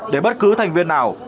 để bất cứ thành viên nào